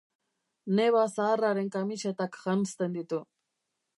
Neba zaharraren kamisetak janzten ditu.